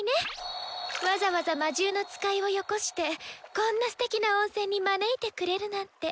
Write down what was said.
わざわざ魔獣の使いをよこしてこんなステキな温泉に招いてくれるなんて。